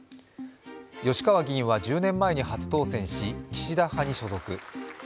吉川議員は１０年前に初当選し岸田派に所属。